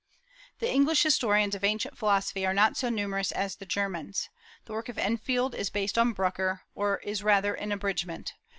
The English historians of ancient philosophy are not so numerous as the Germans. The work of Enfield is based on Brucker, or is rather an abridgment.